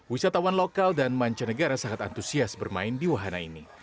wisatawan lokal dan mancanegara sangat antusias bermain di wahana ini